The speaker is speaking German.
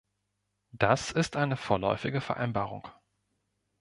Das ist eine vorläufige Vereinbarung.